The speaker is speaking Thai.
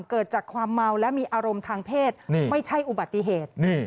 เกิดจากความเมาและมีอารมณ์ทางเพศไม่ใช่อุบัติเหตุ